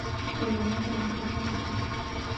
لومړنی حیوان چې انسان اهلي کړ سپی و.